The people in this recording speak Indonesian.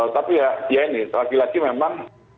tapi ya dia ini lagi lagi memang